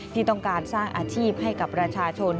ที่ต้องการสร้างอาชีพให้กับประชาชน